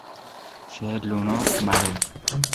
ସେ ଲୁଣ ମାରେ ।